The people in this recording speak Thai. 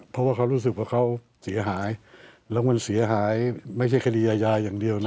เพราะว่าเขารู้สึกว่าเขาเสียหายแล้วมันเสียหายไม่ใช่คดีอาญาอย่างเดียวนะ